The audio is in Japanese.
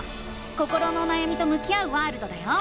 心のおなやみと向き合うワールドだよ！